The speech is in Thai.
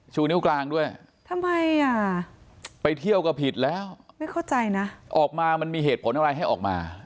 ชูนิ้วกลางด้วยทำไมอ่ะไปเที่ยวก็ผิดแล้วไม่เข้าใจนะออกมามันมีเหตุผลอะไรให้ออกมา